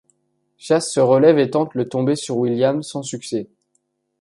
Chase se relève et tente le tombé sur Williams sans succès.